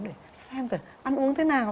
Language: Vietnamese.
để xem ăn uống thế nào